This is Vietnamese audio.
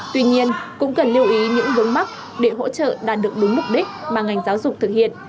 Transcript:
tuy nhiên cũng cần lưu ý những vướng mắt để hỗ trợ đạt được đúng mục đích mà ngành giáo dục thực hiện